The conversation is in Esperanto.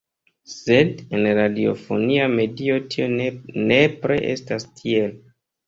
Sed en radiofonia medio tio ne nepre estas tiel.